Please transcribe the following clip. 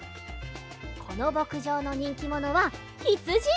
このぼくじょうのにんきものはひつじ！